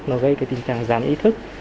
nó gây cái tình trạng giảm ý thức